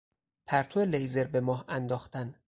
پرتو لیزر به ماه انداختن